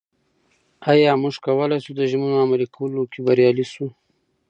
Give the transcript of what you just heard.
ایا موږ کولای شو د ژمنو عملي کولو کې بریالي شو؟